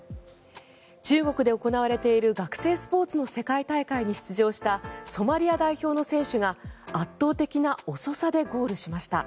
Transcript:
中国で行われている学生スポーツの世界大会に出場したソマリア代表の選手が圧倒的な遅さでゴールしました。